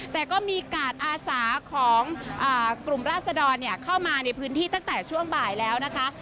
แต่ก็มีกาดอาสาของกลุ่มราศดรเข้ามาในพื้นที่ตั้งแต่ช่วงบ่ายแล้วนะคะ